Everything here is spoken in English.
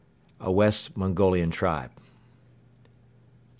A West Mongolian tribe.